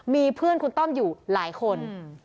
มีเพื่อนคุณต้อมอยู่หลายคน